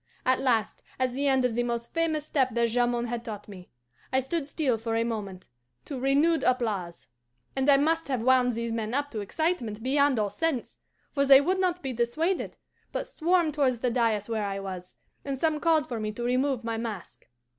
At last, at the end of the most famous step that Jamond had taught me, I stood still for a moment to renewed applause; and I must have wound these men up to excitement beyond all sense, for they would not be dissuaded, but swarmed towards the dais where I was, and some called for me to remove my mask.